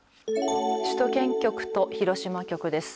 首都圏局と広島局です。